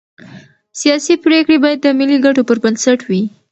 سیاسي پرېکړې باید د ملي ګټو پر بنسټ وي